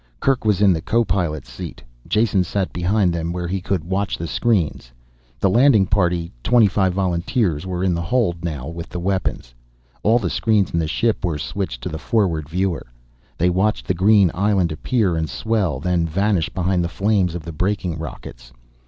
Kerk was in the co pilot's seat, Jason sat behind them where he could watch the screens. The landing party, twenty five volunteers, were in the hold below with the weapons. All the screens in the ship were switched to the forward viewer. They watched the green island appear and swell, then vanish behind the flames of the braking rockets.